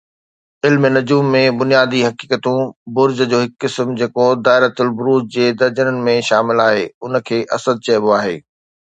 علم نجوم ۾ بنيادي حقيقتون، برج جو هڪ قسم جيڪو دائرة البروج جي درجن ۾ شامل آهي، ان کي اسد چئبو آهي.